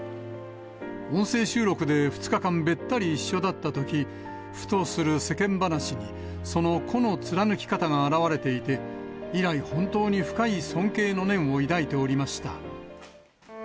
音声収録で２日間、べったり一緒だったとき、ふとする世間話に、その個の貫き方が現れていて、以来、本当に深い尊敬の念を抱いておりました。